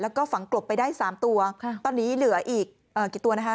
แล้วก็ฝังกลบไปได้๓ตัวตอนนี้เหลืออีกกี่ตัวนะคะ